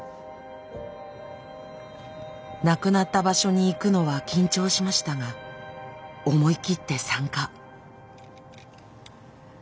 亡くなった場所に行くのは緊張しましたが思い切って参加。